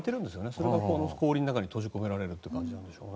それが氷の中に閉じ込められるという感じなんでしょうね。